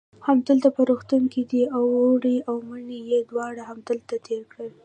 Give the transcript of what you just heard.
همدلته په روغتون کې دی، اوړی او منی یې دواړه همدلته تېر کړل.